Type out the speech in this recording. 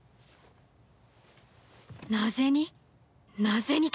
なぜに？